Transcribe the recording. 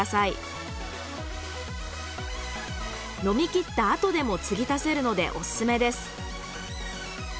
飲み切ったあとでもつぎ足せるのでオススメです。